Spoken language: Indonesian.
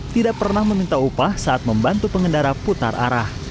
tidak pernah meminta upah saat membantu pengendara putar arah